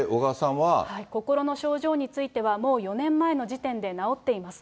心の症状については、もう４年前の時点で治っています。